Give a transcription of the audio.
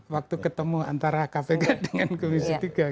waktu ketemu antara kpk dengan komisi tiga